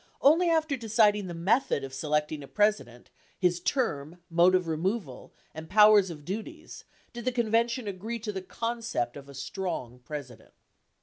Only after deciding the method of selecting a President, his term, mode of removal, and powers and duties did the convention agree to the concept of a strong President.